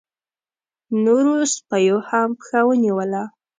نورو سپيو هم پښه ونيوله.